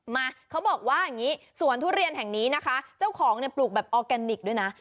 มาเขาบอกว่าอย่างนี้สวนทุเรียนแห่งนี้นะคะเจ้าของเนี่ยปลูกแบบออร์แกนิคด้วยนะ